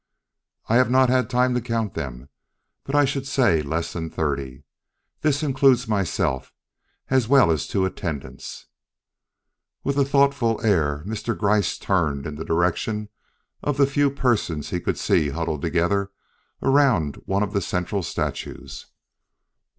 "I have not had time to count them, but I should say less than thirty. This includes myself, as well as two attendants." With a thoughtful air Mr. Gryce turned in the direction of the few persons he could see huddled together around one of the central statues.